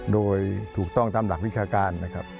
โดยถูกต้องตามหลักวิชาการ